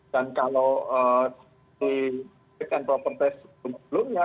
dan kalau fit and proper test sebelumnya